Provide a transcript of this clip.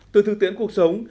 từ thực tiễn cuộc sống